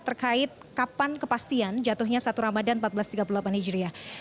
terkait kapan kepastian jatuhnya satu ramadhan empat belas tiga puluh delapan hijriah